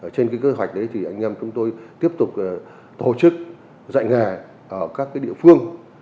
trên kế hoạch đấy thì anh em chúng tôi tiếp tục tổ chức dạy nghề ở các địa phương